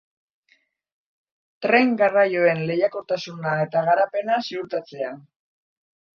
Tren garraioen lehiakortasuna eta garapena ziurtatzea.